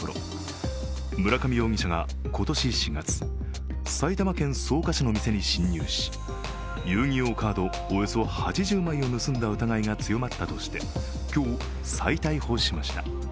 警察は裏付けを進めたところ村上容疑者が今年４月、埼玉県草加市の店に侵入し、遊戯王カードおよそ８０枚を盗んだ疑いが強まったとして今日、再逮捕しました。